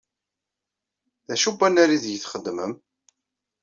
D acu n wannar ideg txeddmem?